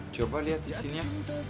coba lihat disini ya